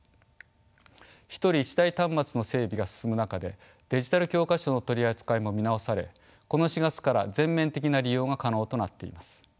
一人一台端末の整備が進む中でデジタル教科書の取り扱いも見直されこの４月から全面的な利用が可能となっています。